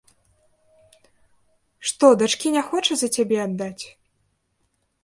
Што дачкі не хоча за цябе аддаць?